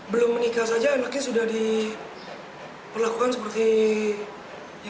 belum menikah saja anaknya sudah diperlakukan seperti yang kita ketahui lah ya